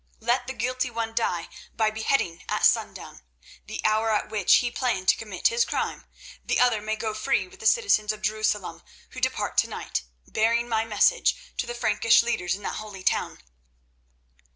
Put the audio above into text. Let the guilty one die by beheading at sundown, the hour at which he planned to commit his crime. The other may go free with the citizens of Jerusalem who depart to night, bearing my message to the Frankish leaders in that holy town."